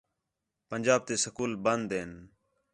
پنجاب تے سکول بند ہِن